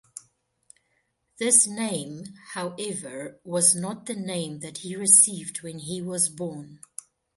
This name, however, was not the name that he received when he was born.